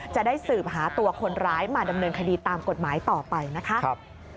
จะได้สืบหาตัวคนร้ายมาดำเนินคดีตามกฎหมายต่อไปนะคะ